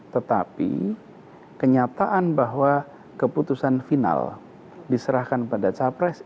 tetapi kenyataan bahwa keputusan final diserahkan pada capres